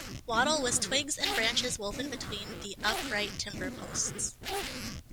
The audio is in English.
Wattle was twigs and branches woven between the upright timber posts.